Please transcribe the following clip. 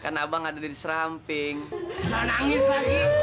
kamu kagetan gila